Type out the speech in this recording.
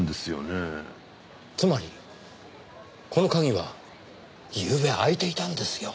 つまりこの鍵はゆうべ開いていたんですよ。